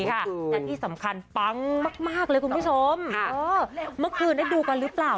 และที่สำคัญปังมากเลยคุณผู้ชมเมื่อคืนได้ดูกันหรือเปล่า